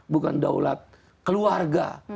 bukan daulat keluarga